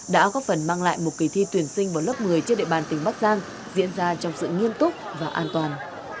đã góp phần mang lại một kỳ thi tuyển sinh vào lớp một mươi trên địa bàn tỉnh bắc giang diễn ra trong sự nghiêm túc và an toàn